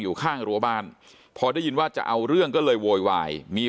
อยู่ข้างรั้วบ้านพอได้ยินว่าจะเอาเรื่องก็เลยโวยวายมี